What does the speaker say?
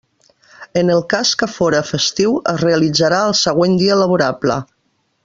En el cas que fóra festiu es realitzarà el següent dia laborable.